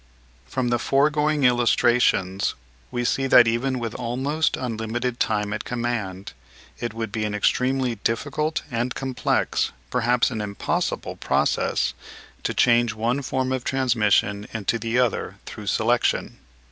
From the foregoing illustrations, we see that even with almost unlimited time at command, it would be an extremely difficult and complex, perhaps an impossible process, to change one form of transmission into the other through selection.